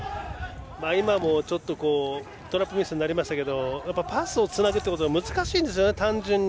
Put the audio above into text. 今もちょっとトラップミスになりましたがパスをつなぐということが難しいんですよね、単純に。